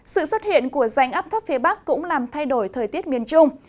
sự xuất hiện của rãnh áp thấp phía bắc cũng làm thay đổi thời tiết miền trung